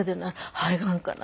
肺がんかな。